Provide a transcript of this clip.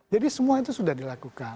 jadi semua itu sudah dilakukan